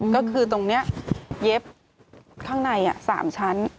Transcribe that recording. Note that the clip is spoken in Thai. ก็คือตรงนี้เย็บข้างใน๓ชั้น